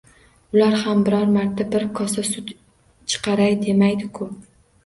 Ular ham biror marta bir kosa sut chiqaray demaydi-ku